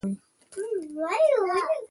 د شیدو زیاتولو لپاره د زیرې او شیدو ګډول وکاروئ